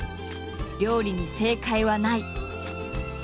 「料理に正解はない」。